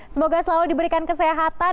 semoga selalu diberikan kesehatan